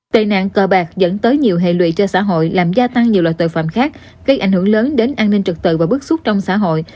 tệ nạn cờ bạc dẫn tới nhiều hệ lụy cho xã hội làm gia tăng nhiều loại tội phạm khác gây ảnh hưởng lớn đến an ninh trực tự và bức xúc trong xã hội